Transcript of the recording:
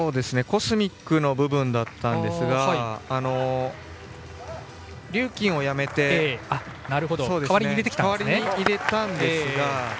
コスミックの部分でしたがリューキンをやめて代わりに入れたんですが。